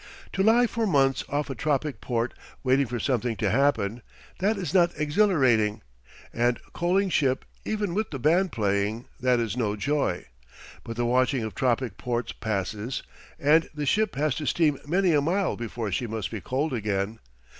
To lie for months off a tropic port waiting for something to happen that is not exhilarating; and coaling ship, even with the band playing that is no joy. But the watching of tropic ports passes; and the ship has to steam many a mile before she must be coaled again.